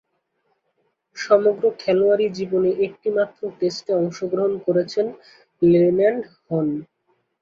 সমগ্র খেলোয়াড়ী জীবনে একটিমাত্র টেস্টে অংশগ্রহণ করেছেন লেল্যান্ড হন।